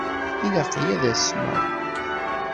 Ilaq-iyi ad asmeɣ?